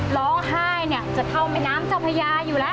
ร้องไห้เนี่ยจะเข้าแม่น้ำเจ้าพญาอยู่แล้ว